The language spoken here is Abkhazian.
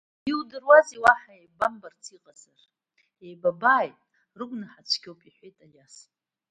Иудыруазеи, уаҳа еибамбарц иҟазар, еибабааит, рыгәнаҳа цәгьоуп, – иҳәеит Алиас.